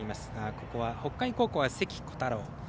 ここは、北海高校は関虎大朗。